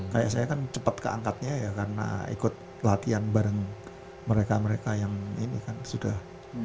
kayak saya kan cepat ke angkatnya ya karena ikut latihan bareng mereka mereka yang ini kan sudah